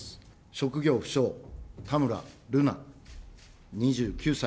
職業不詳、田村瑠奈２９歳。